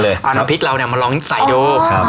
แล้วก็เอาน้ำพริกเรามาลองใส่ดู